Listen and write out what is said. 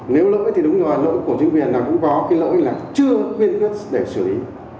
nếu lỗi thì đúng rồi lỗi của chính quyền là cũng có cái lỗi là chưa quyết định để xử lý